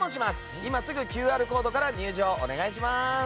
今すぐＱＲコードから入場お願いします。